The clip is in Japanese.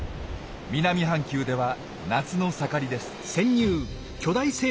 南半球では夏の盛りです。